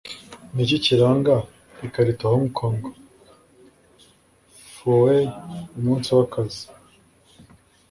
Niki Ikiranga Ikarito Hong Kong Phooey Umunsi Wakazi